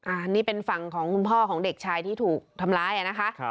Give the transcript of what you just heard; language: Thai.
อันนี้เป็นฝั่งของคุณพ่อของเด็กชายที่ถูกทำร้ายนะคะ